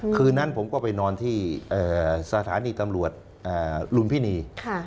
คืนนั้นผมก็ไปนอนที่สถานีตำรวจลุมพินี